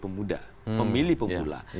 pemuda pemilih pemula